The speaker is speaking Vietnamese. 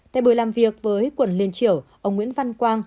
tại buổi làm việc với quận liên triểu ông nguyễn văn quang